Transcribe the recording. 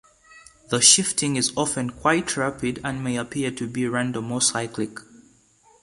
The shifting is often quite rapid, and may appear to be random or cyclic.